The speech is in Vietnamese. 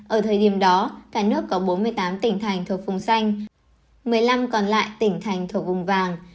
ở thời điểm đó cả nước có bốn mươi tám tỉnh thành thuộc vùng xanh một mươi năm còn lại tỉnh thành thuộc vùng vàng